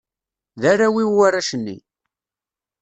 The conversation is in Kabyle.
D arraw-iw warrac-nni.